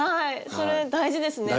それ大事ですね